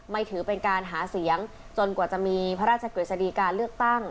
ถือเป็นการหาเสียงจนกว่าจะมีพระราชกฤษฎีการเลือกตั้ง